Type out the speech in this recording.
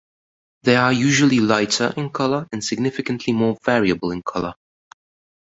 They are usually lighter in color and significantly more variable in color.